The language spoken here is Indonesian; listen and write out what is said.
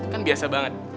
kan biasa banget